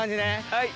はい。